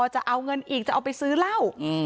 จะเอาเงินอีกจะเอาไปซื้อเหล้า